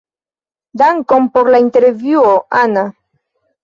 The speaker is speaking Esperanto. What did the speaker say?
Dankon por la intervjuo, Ana.